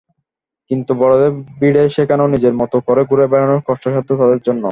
কিন্তু বড়দের ভিড়ে সেখানেও নিজের মতো করে ঘুরে বেড়ানো কষ্টসাধ্য তাদের জন্য।